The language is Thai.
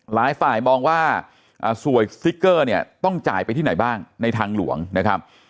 หลายฝ่ายมองว่าสวยสติ๊กเกอร์เนี่ยต้องจ่ายไปที่ไหนบ้างในทางหลวงนะครับ